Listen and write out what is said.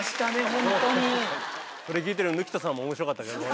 それ聴いてる貫田さんも面白かったけどね。